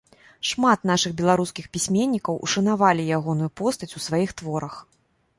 Шмат нашых беларускіх пісьменнікаў ушанавалі ягоную постаць у сваіх творах.